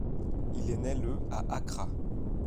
Il est né le à Accra.